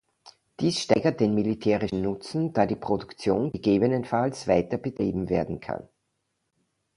Dies steigert den militärischen Nutzen, da die Produktion gegebenenfalls weiter betrieben werden kann.